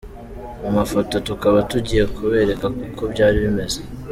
Mu mafoto tukaba tugiye kubereka uko byari bimeze.